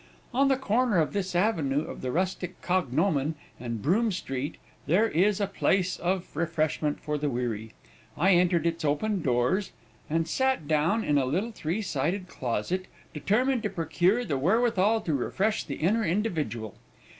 "On the corner of this avenue of the rustic cognomen and Broome street, there is a place of refreshment for the weary. I entered its open doors, and sat down in a little three sided closet, determined to procure the wherewithal to refresh the inner individual.